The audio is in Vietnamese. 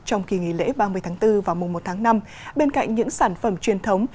trong kỳ nghỉ lễ ba mươi tháng bốn và mùa một tháng năm bên cạnh những sản phẩm truyền thống